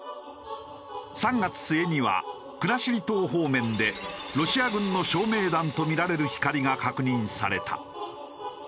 ３月末には国後島方面でロシア軍の照明弾とみられる光が確認された。